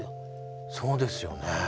そうですよね。